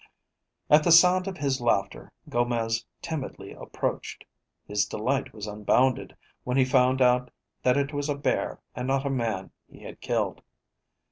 At the sound of his laughter, Gomez timidly approached. His delight was unbounded when he found out that it was a bear and not a man he had killed.